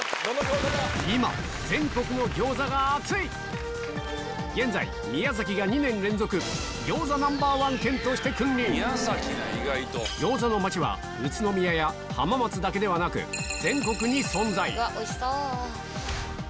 今現在宮崎が２年連続餃子Ｎｏ．１県として君臨餃子の街は宇都宮や浜松だけではなく全国に存在